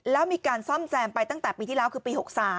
แล้วมีการซ่อมแซมไปตั้งแต่ปีที่แล้วคือปี๖๓